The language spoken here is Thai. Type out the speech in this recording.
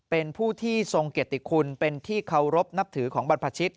เป็นผู้ที่ทรงเกียรติคุณเป็นที่เคารพนับถือของบรรพชิต